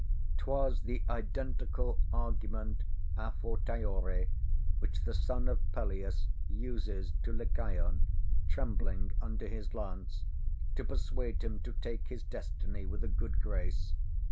'Twas the identical argument a fortiori, which the son of Peleus uses to Lycaon trembling under his lance, to persuade him to take his destiny with a good grace.